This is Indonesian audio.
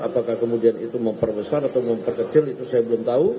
apakah kemudian itu memperbesar atau memperkecil itu saya belum tahu